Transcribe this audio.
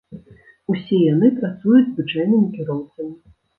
Усе яны працуюць звычайнымі кіроўцамі.